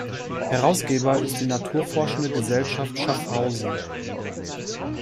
Herausgeber ist die Naturforschende Gesellschaft Schaffhausen.